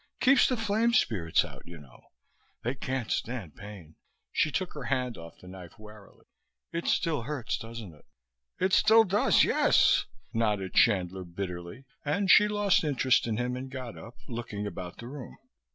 "Keeps the flame spirits out, you know. They can't stand pain." She took her hand off the knife warily, "it still hurts, doesn't it?" "It still does, yes," nodded Chandler bitterly, and she lost interest in him and got up, looking about the room.